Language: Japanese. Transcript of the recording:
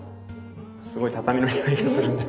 すごい畳のにおいがするんだけれど。